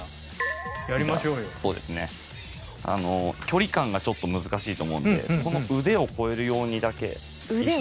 距離感がちょっと難しいと思うんでこの腕を越えるようにだけ意識。